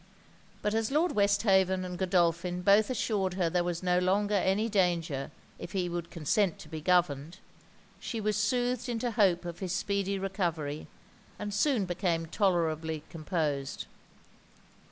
But as Lord Westhaven and Godolphin both assured her there was no longer any danger if he would consent to be governed, she was soothed into hope of his speedy recovery and soon became tolerably composed.